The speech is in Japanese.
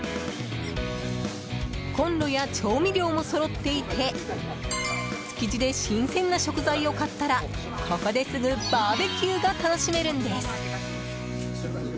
コンロや調味料もそろっていて築地で新鮮な食材を買ったらここですぐバーベキューが楽しめるんです。